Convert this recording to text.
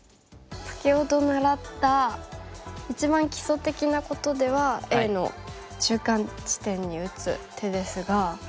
先ほど習った一番基礎的なことではＡの中間地点に打つ手ですが。